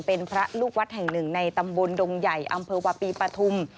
เป็นพระลูกวัดแห่งหนึ่งในตำบลดงใหญ่อำเภอวาปีปฐุม